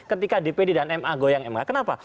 ketika dpd dan ma goyang ma kenapa